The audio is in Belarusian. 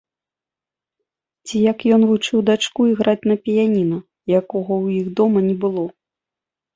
Ці як ён вучыў дачку іграць на піяніна, якога ў іх дома не было.